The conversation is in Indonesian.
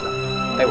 jangan bawa dia